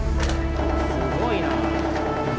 すごいな！